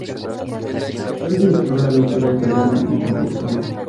Fue director de ópera italiana en San Petersburgo.